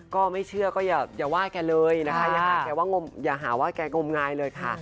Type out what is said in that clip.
ก็ไม่เชื่อก็อย่าว่าแกเลยนะคะอย่าหาว่าแกงงมงายเลยค่ะ